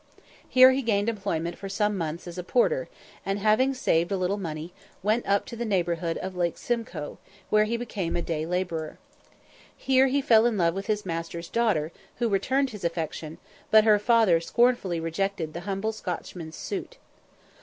Here he gained employment for some months as a porter, and, having saved a little money, went up to the neighbourhood of Lake Simcoe, where he became a day labourer. Here he fell in love with his master's daughter, who returned his affection, but her father scornfully rejected the humble Scotchman's suit.